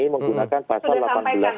menggunakan pasal delapan belas b undang undang